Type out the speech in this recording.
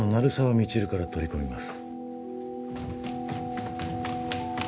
未知留から取り込みます